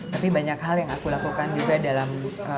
tapi banyak hal yang aku lakukan juga dalam